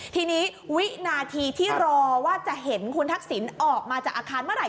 ทีนี้วินาทีที่รอว่าจะเห็นคุณทักษิณออกมาจากอาคารเมื่อไห